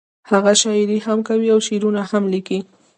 هغه شاعري هم کوي او شعرونه لیکي